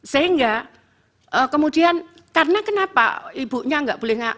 sehingga kemudian karena kenapa ibunya enggak boleh